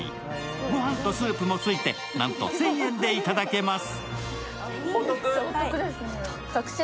ご飯とスープもついてなんと１０００円でいただけます。